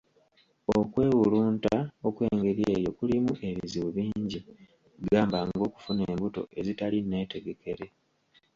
Okwewulunta okwengeri eyo kulimu ebizibu bingi ,gamba ng'okufuna embuto ezitali nneetegekere.